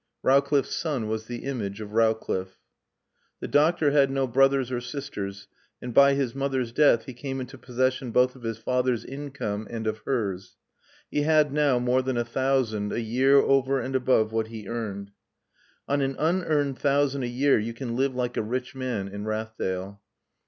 Rowcliffe's son was the image of Rowcliffe. The doctor had no brothers or sisters, and by his mother's death he came into possession both of his father's income and of hers. He had now more than a thousand a year over and above what he earned. On an unearned thousand a year you can live like a rich man in Rathdale.